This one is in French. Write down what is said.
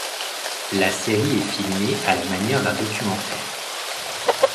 La série est filmée à la manière d'un documentaire.